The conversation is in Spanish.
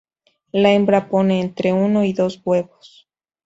La hembra pone entre uno y dos huevos.